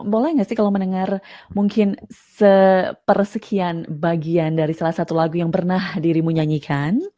boleh gak sih kalau mendengar mungkin sepersekian bagian dari salah satu lagu yang pernah dirimu nyanyikan